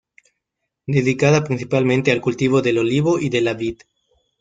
Dedicada principalmente al cultivo del olivo y de la vid.